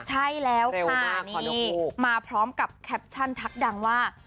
ใช่แล้วค่ะนี่มาพร้อมกับแคปชั่นทักดังว่า